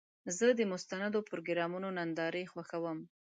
زه د مستندو پروګرامونو نندارې خوښوم.